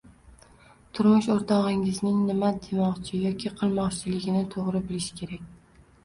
Turmush o‘rtog‘ingizning nima demoqchi yoki qilmoqchiligini to‘g‘ri bilish kerak.